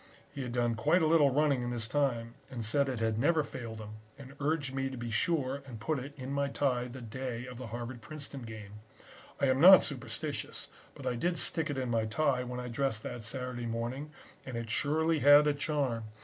He had done quite a little running in his time and said it had never failed him and urged me to be sure and put it in my tie the day of the Harvard Princeton game. I am not superstitious, but I did stick it in my tie when I dressed that Saturday morning and it surely had a charm.